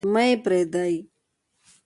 مه يې پريږدﺉ.